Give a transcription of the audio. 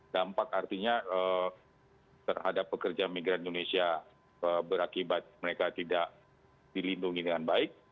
dampak artinya terhadap pekerja migran indonesia berakibat mereka tidak dilindungi dengan baik